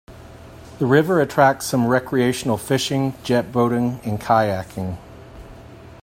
The river attracts some recreational fishing, jetboating and kayaking.